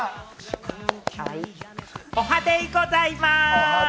おはデイございます！